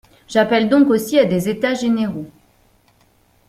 J’appelle donc aussi à des états généraux.